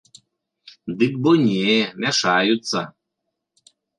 Дык бо не, мяшаюцца.